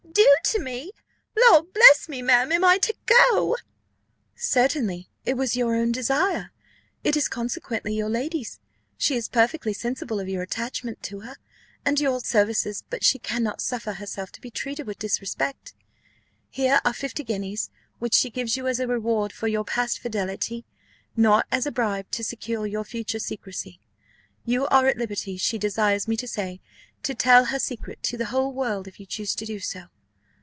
"Due to me! Lord bless me, ma'am, am I to go?" "Certainly, it was your own desire it is consequently your lady's: she is perfectly sensible of your attachment to her, and of your services, but she cannot suffer herself to be treated with disrespect. Here are fifty guineas, which she gives you as a reward for your past fidelity, not as a bribe to secure your future secresy. You are at liberty, she desires me to say, to tell her secret to the whole world, if you choose to do so."